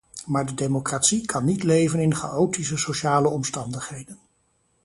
Maar de democratie kan niet leven in chaotische sociale omstandigheden.